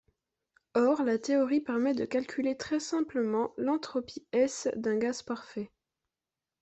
Or, la théorie permet de calculer très simplement l'entropie S d'un gaz parfait.